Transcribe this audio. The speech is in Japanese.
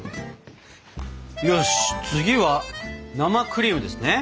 よし次は生クリームですね。